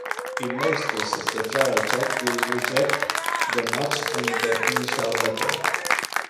In most cases, the trial check will reject the match at the initial letter.